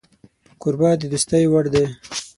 کوربه د دوستۍ وړ دی